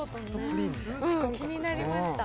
気になりました。